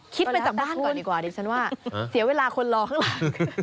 คิดไปจากบ้านก่อนดีกว่าดิฉันว่าเสียเวลาคนร้องล่ะ